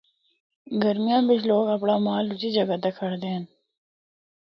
گرمیاں بچ لوگ اپنڑا مال اُچی جگہ کھڑدے ہن۔